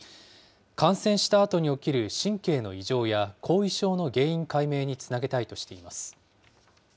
感染したあとに起きる神経の異常や、後遺症の原因解明につなげたいとしています。